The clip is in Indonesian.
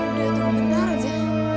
udah tunggu bentar aja